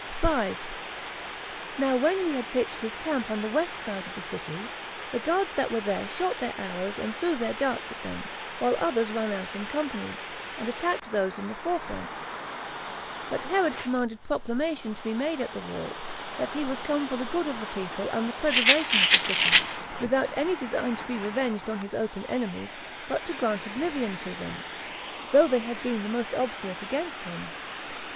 5. Now when he had pitched his camp on the west side of the city, the guards that were there shot their arrows and threw their darts at them, while others ran out in companies, and attacked those in the forefront; but Herod commanded proclamation to be made at the wall, that he was come for the good of the people and the preservation of the city, without any design to be revenged on his open enemies, but to grant oblivion to them, though they had been the most obstinate against him.